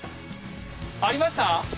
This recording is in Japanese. ありました？